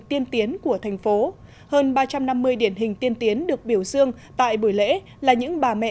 tiên tiến của thành phố hơn ba trăm năm mươi điển hình tiên tiến được biểu dương tại buổi lễ là những bà mẹ